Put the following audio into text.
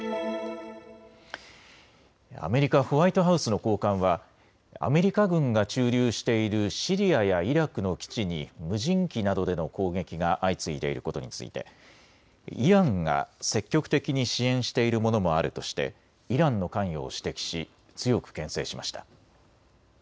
アメリカ・ホワイトハウスの高官はアメリカ軍が駐留しているシリアやイラクの基地に無人機などでの攻撃が相次いでいることについてイランが積極的に支援しているものもあるとしてイランの関与を指摘し強くけん制しました。